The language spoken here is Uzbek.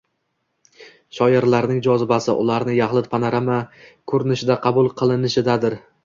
Shiorlarning jozibasi - ularning yaxlit panorama ko‘rinishida qabul qilinishidadir.